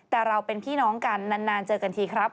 แต่เราเป็นพี่น้องกันนานเจอกันทีครับ